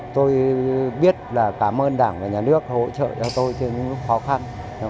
tôi biết là cảm ơn đảng và nhà nước hỗ trợ cho tôi trên những khó khăn